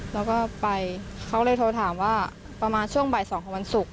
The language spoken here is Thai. แล้วก็ไปเขาเลยโทรถามว่าประมาณช่วงบ่าย๒ของวันศุกร์